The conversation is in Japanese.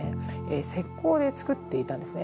石こうで作っていたんですね。